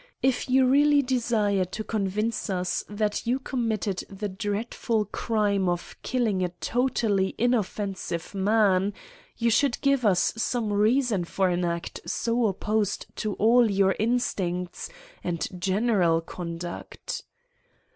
If you really desire to convince us that you committed the dreadful crime of killing a totally inoffensive man, you should give us some reason for an act so opposed to all your instincts and general conduct."